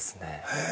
へえ。